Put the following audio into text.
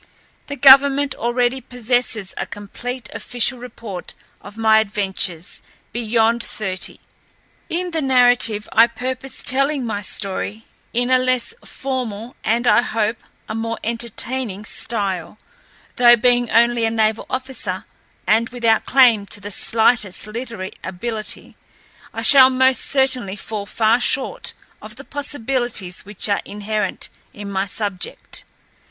The government already possesses a complete official report of my adventures beyond thirty. In the narrative I purpose telling my story in a less formal, and I hope, a more entertaining, style; though, being only a naval officer and without claim to the slightest literary ability, I shall most certainly fall far short of the possibilities which are inherent in my subject.